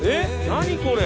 何これ。